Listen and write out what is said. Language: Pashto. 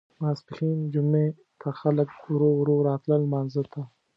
ماسپښین جمعې ته خلک ورو ورو راتلل لمانځه ته.